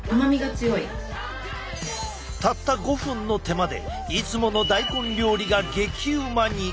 たった５分の手間でいつもの大根料理が激うまに！